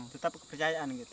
tetap kepercayaan gitu